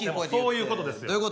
でもそういうことですよ。